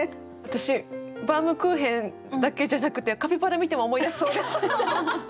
私バウムクーヘンだけじゃなくてカピバラ見ても思い出しそうです。